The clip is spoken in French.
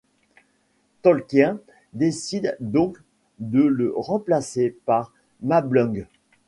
Tolkien décide donc de le remplacer par Mablung.